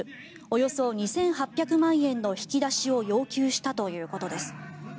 およそ２８００万円の引き出しを要求したということです。